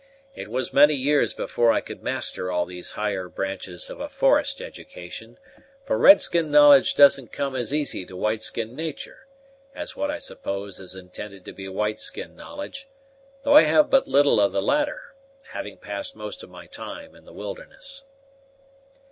It was many years before I could master all these higher branches of a forest education; for red skin knowledge doesn't come as easy to white skin natur', as what I suppose is intended to be white skin knowledge; though I have but little of the latter, having passed most of my time in the wilderness."